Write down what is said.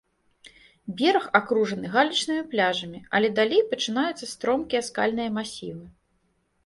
Бераг акружаны галечнымі пляжамі, але далей пачынаюцца стромкія скальныя масівы.